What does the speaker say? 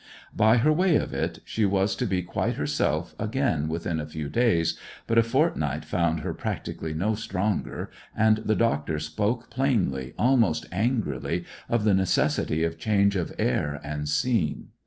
By her way of it, she was to be quite herself again within a few days, but a fortnight found her practically no stronger; and the doctor spoke plainly, almost angrily, of the necessity of change of air and scene.